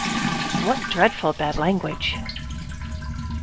What dreadful bad language!